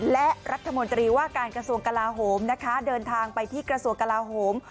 และรัฐมนตรีว่าการกระทรวงกลาโหมนะคะเดินทางไปที่กระทรวงกลาโหม